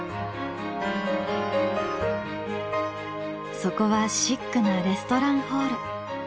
そこはシックなレストランホール。